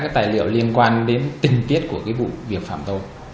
tất cả các tài liệu liên quan đến tình tiết của vụ việc phạm tội